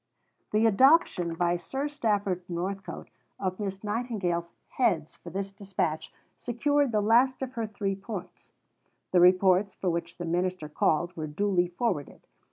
The adoption by Sir Stafford Northcote of Miss Nightingale's "heads" for this dispatch secured the last of her Three Points. The reports for which the minister called were duly forwarded.